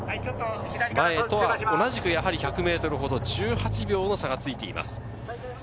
前と同じく１００ｍほど、１８秒の差がついています。